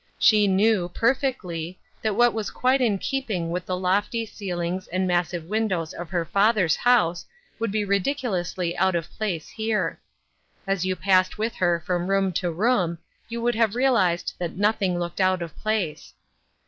She knew, per fectly, that what was quite in keeping with tlie lofty ceilings and massive windows of her father's house would be ridiculously out of place here. As you passed with her from room to room you would have realized that nothing looki?d out of place.